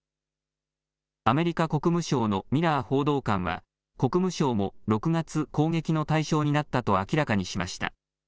アメリカ国務省のミラー報道官は、国務省も６月、攻撃の対象になったと明らかにしました。